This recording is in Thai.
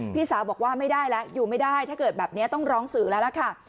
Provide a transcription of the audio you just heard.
พี่สาวบอกว่าไม่ได้แล้วอยู่ไม่ได้ถ้าเกิดแบบนี้ต้องร้องสื่อแล้วล่ะค่ะ